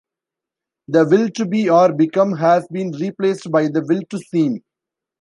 The will to be or become has been replaced by the will to seem.